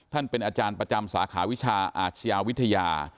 เป็นอาจารย์ประจำสาขาวิชาอาชญาวิทยา